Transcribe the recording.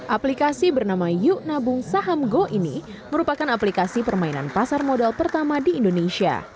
aplikasi bernama yuk nabung saham go ini merupakan aplikasi permainan pasar modal pertama di indonesia